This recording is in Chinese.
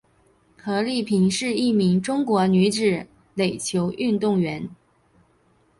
何丽萍是一名中国女子垒球运动员。